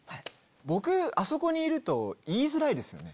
僕あそこにいると言いづらいですよね。